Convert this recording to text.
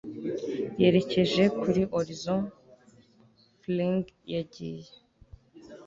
yerekeje kuri horizon, fling yagiye